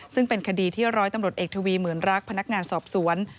ซึ่งเป็นคดีที่ร้อยตำรวจเอกทวีเหมือนรักพนักงานสอบสวน